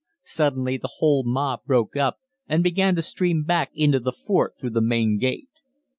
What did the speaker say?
Suddenly the whole mob broke up and began to stream back into the fort through the main gate.